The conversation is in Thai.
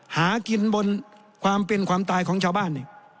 หากินบนความเป็นความตายของชาวบ้านนี่